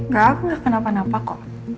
gak aku gak kenapa napa kok